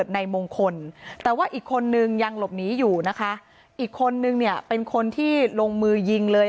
ในมงคลแต่ว่าอีกคนนึงยังหลบหนีอยู่นะคะอีกคนนึงเนี่ยเป็นคนที่ลงมือยิงเลย